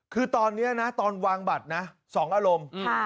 คือตอนนี้นะตอนวางบัตรนะ๒อารมณ์